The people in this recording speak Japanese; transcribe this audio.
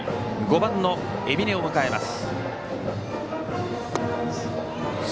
５番、海老根を迎えます。